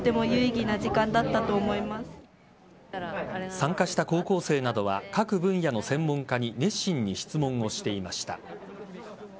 参加した高校生などは各分野の専門家に熱心に質問をしていました。